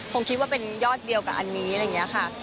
คงคิดว่าเป็นยอดเดียวกับอันนี้อะไรอย่างนี้ค่ะ